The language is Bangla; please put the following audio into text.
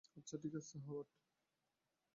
আচ্ছা, ঠিক আছে, হাওয়ার্ড।